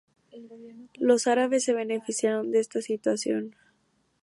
Los árabes se beneficiaron de esta situación.